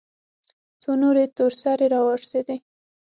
څو نورې تور سرې راورسېدې.